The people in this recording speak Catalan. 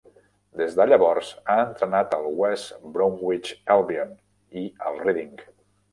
Des de llavors ha entrenat el West Bromwich Albion i el Reading.